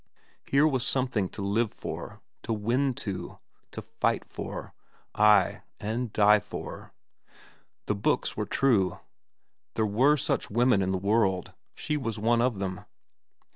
Here was something to live for, to win to, to fight for—ay, and die for. The books were true. There were such women in the world. She was one of them.